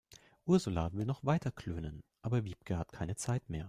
Ursula will noch weiter klönen, aber Wiebke hat keine Zeit mehr.